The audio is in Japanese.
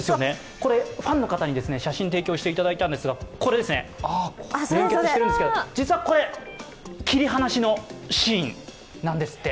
これ、ファンの方に写真を提供していただいたんですが、これですね、連結してるんですが、実はこれ、切り離しのシーンなんですって。